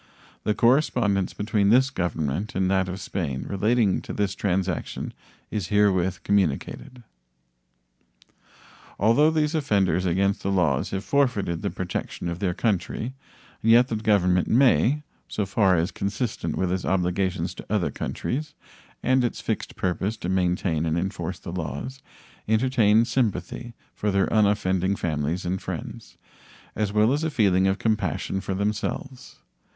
The correspondence between this Government and that of Spain relating to this transaction is herewith communicated. Although these offenders against the laws have forfeited the protection of their country, yet the Government may, so far as consistent with its obligations to other countries and its fixed purpose to maintain and enforce the laws, entertain sympathy for their unoffending families and friends, as well as a feeling of compassion for themselves.